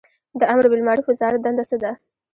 د امربالمعروف وزارت دنده څه ده؟